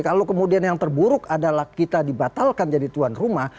kalau kemudian yang terburuk adalah kita dibatalkan jadi tuan rumah